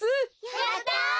やった！